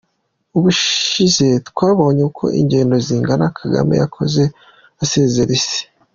Ubushize twabonye uko ingendo zingana Kagame yakoze azerera isi.